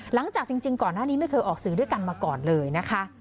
หลังจากจริงก่อนหน้านี้ไม่เคยออกสื่อด้วยกันมาก่อนเลยนะคะ